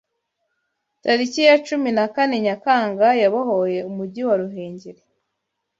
Tariki ya cumi na kane Nyakanga yabohoye Umujyi wa Ruhengeri